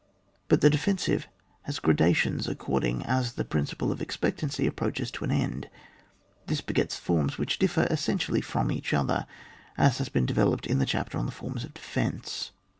But the defensive has its gra dations according as the principle of expectancy approaches to an end. This begets forms which differ essentially from each other, as has been developed in the chapter on the forms of defence.